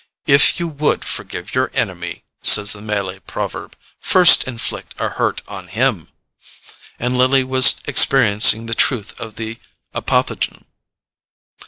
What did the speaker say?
IF YOU WOULD FORGIVE YOUR ENEMY, says the Malay proverb, FIRST INFLICT A HURT ON HIM; and Lily was experiencing the truth of the apothegm.